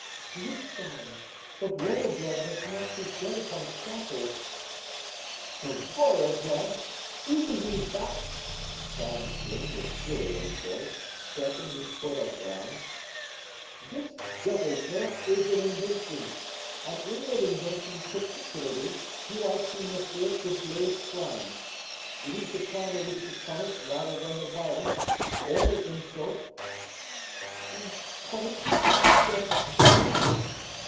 "Good, sire; but royal blood must not be shed upon a scaffold." "The royal blood! you believe that!" cried the king with fury in his voice, stamping his foot on the ground. "This double birth is an invention; and in that invention, particularly, do I see M. d'Herblay's crime. It is the crime I wish to punish rather than the violence, or the insult." "And punish it with death, sire?"